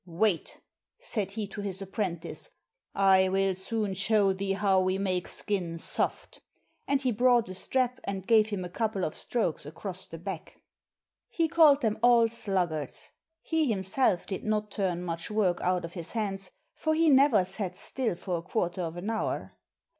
"Wait," said he to his apprentice, "I will soon show thee how we make skins soft," and he brought a strap and gave him a couple of strokes across the back. He called them all sluggards. He himself did not turn much work out of his hands, for he never sat still for a quarter of an hour.